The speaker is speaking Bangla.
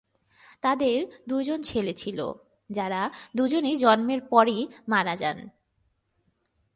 তাদের দুই জন ছেলে ছিল যারা দুজনেই জন্মের পরই মারা যান।